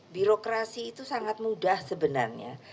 birokrasi itu sangat mudah sebenarnya